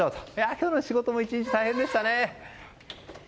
今日の仕事も１日大変でしたね。